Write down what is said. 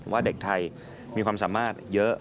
ว่าเด็กไทยมีความสามารถเยอะ